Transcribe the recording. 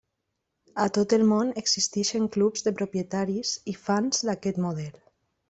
A tot el món existeixen clubs de propietaris i fans d'aquest model.